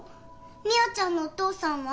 美也ちゃんのお父さんは？